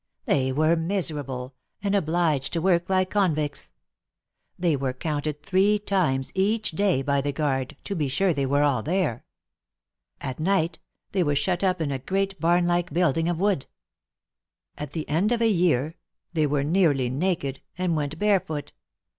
They were miserable, and obliged to work like convicts. They were counted three times each day by the guard, to be sure they were all there. At night 114 THE MARKETS OF PARIS. they were shut up in a great barn like building of wood. '^At the end of a year they were nearly naked, and went barefoot.